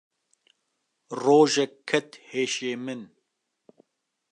rojek ket heşê min.